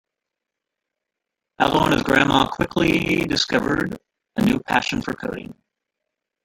Aldo and his grandma quickly discovered a new passion for coding.